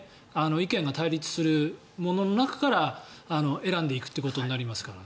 意見が対立するものの中から選んでいくということになりますから。